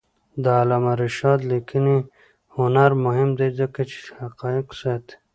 د علامه رشاد لیکنی هنر مهم دی ځکه چې حقایق ساتي.